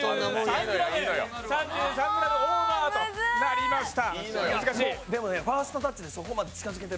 ３３ｇオーバーとなりました。